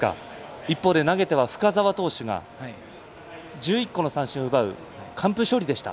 一方で投げ手は深沢投手が１１個の三振を奪う完封勝利でした。